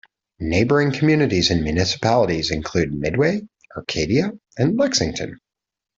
Neighboring communities and municipalities include Midway, Arcadia, and Lexington.